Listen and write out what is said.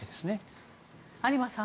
有馬さん